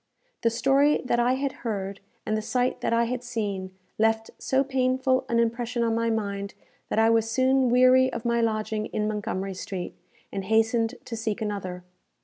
The story that I had heard, and the sight that I had seen, left so painful an impression on my mind, that I was soon weary of my lodging in Montgomery Street, and hastened to seek another.